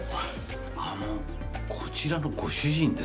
あのこちらのご主人ですか？